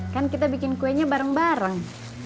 kan kita bikin kuenya bareng bareng